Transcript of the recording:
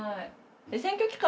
選挙期間